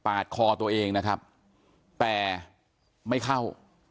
คอตัวเองนะครับแต่ไม่เข้า